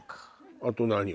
あと何よ？